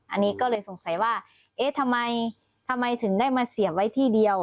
อันนี้ก็เลยสงสัยว่าเอ๊ะทำไมทำไมถึงได้มาเสียบไว้ที่เดียว